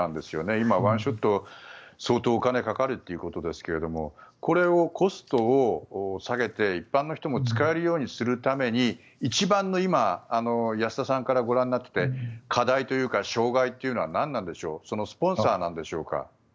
今、ワンショットで相当お金かかるということですがこのコストを下げて、一般の人も使えるようにするために保田さんからご覧になって一番の課題というか障害は何でしょうかスポンサーでしょうか。